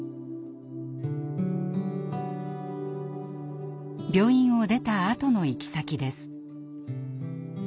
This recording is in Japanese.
病院を出たあとの行き先です。